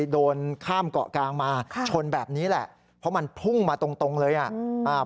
โดนข้ามเกาะกลางมาค่ะชนแบบนี้แหละเพราะมันพุ่งมาตรงตรงเลยอ่ะอ่า